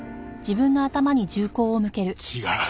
違う。